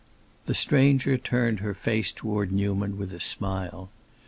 The stranger turned her face toward Newman, with a smile.